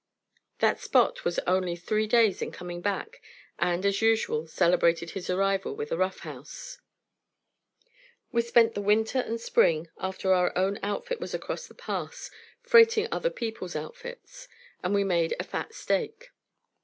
That Spot was only three days in coming back, and, as usual, celebrated his arrival with a rough house. We spent the winter and spring, after our own outfit was across the pass, freighting other people's outfits; and we made a fat stake.